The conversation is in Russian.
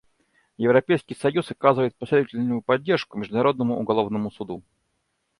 Европейский союз оказывает последовательную поддержку Международному уголовному суду.